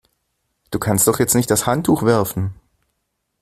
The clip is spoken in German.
Du kannst doch jetzt nicht das Handtuch werfen!